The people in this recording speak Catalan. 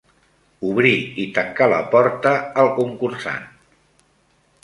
Obrir i tancar la porta al concursant